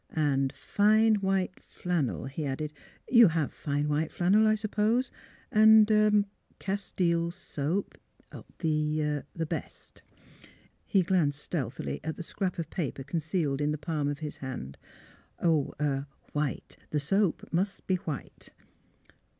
'' And fine white flannel," he added. '' You have fine white flannel, I suppose! and — er — Cas tile soap; the — er — best." He glanced stealthily at the scrap of paper con cealed in the palm of his hand. '' Er — white. The soap must be white."